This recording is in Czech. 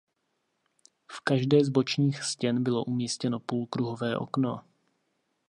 V každé z bočních stěn bylo umístěno půlkruhové okno.